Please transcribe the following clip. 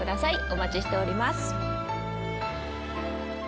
お待ちしております。